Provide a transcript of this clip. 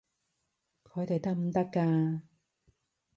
佢哋得唔得㗎？